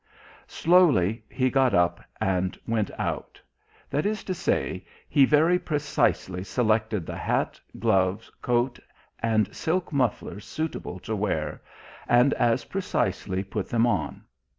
Slowly he got up and went out; that is to say, he very precisely selected the hat, gloves, coat, and silk muffler suitable to wear, and as precisely put them on.